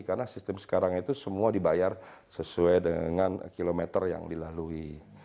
karena sistem sekarang itu semua dibayar sesuai dengan kilometer yang dilalui